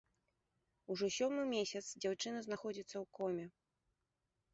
Ужо сёмы месяц дзяўчына знаходзіцца ў коме.